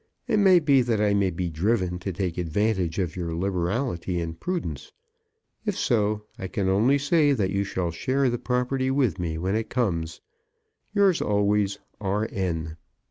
It may be that I may be driven to take advantage of your liberality and prudence. If so, I can only say that you shall share the property with me when it comes. Yours always, R. N.